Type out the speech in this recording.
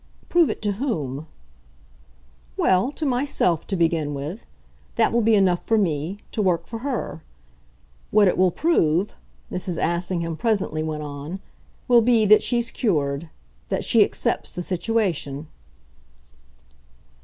"Prove it to whom?" "Well, to myself, to begin with. That will be enough for me to work for her. What it will prove," Mrs. Assingham presently went on, "will be that she's cured. That she accepts the situation."